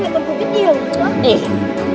lại còn có biết nhiều nữa